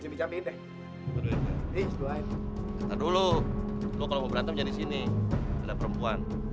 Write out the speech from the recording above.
ini saya dulu kok berangkat disini ada perempuan